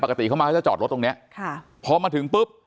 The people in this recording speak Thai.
เข้ามาเขาจะจอดรถตรงเนี้ยค่ะพอมาถึงปุ๊บ